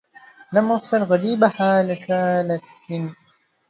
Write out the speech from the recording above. لم أفسر غريبها لك لكن